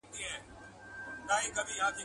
د ښار خلکو ته دا لویه تماشه سوه ..